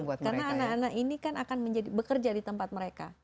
karena anak anak ini kan akan bekerja di tempat mereka